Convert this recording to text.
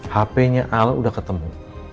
hape nya al udah ketemu